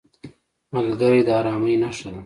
ملګری د ارامۍ نښه ده